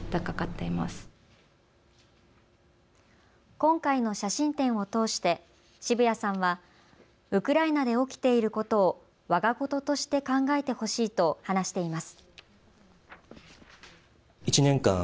今回の写真展を通して渋谷さんはウクライナで起きていることをわがこととして考えてほしいと話しています。